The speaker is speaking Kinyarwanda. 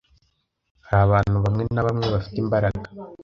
hari abantu bamwe na bamwe bafite imbaraga